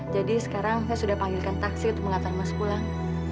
jadi sekarang saya sudah panggilkan taksi untuk mengantar mas pulang